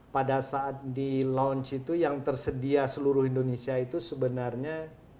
pada saat di launch itu yang tersedia seluruh indonesia itu sebenarnya